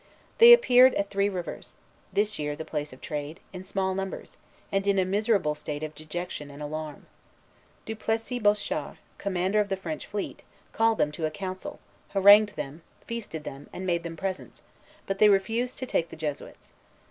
They appeared at Three Rivers this year the place of trade in small numbers, and in a miserable state of dejection and alarm. Du Plessis Bochart, commander of the French fleet, called them to a council, harangued them, feasted them, and made them presents; but they refused to take the Jesuits.